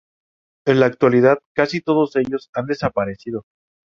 En la actualidad casi todos ellos han desaparecido.